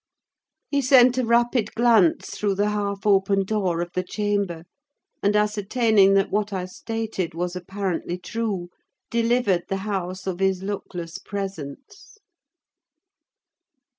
He sent a rapid glance through the half open door of the chamber, and, ascertaining that what I stated was apparently true, delivered the house of his luckless presence.